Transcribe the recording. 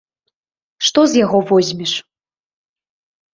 Што з яго возьмеш?